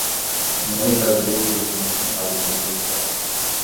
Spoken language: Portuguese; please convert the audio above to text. Um homem barbudo sendo espancado por um policial.